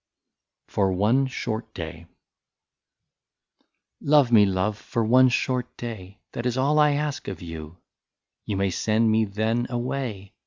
44 FOR ONE SHORT DAY. Love me, love, for one short day, — That is all I ask of you ; You may send me then away.